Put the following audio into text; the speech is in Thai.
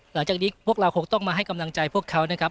หลังจากนี้พวกเราคงต้องมาให้กำลังใจพวกเขานะครับ